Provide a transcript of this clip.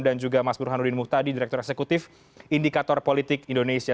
dan juga mas burhanuddin muhtadi direktur eksekutif indikator politik indonesia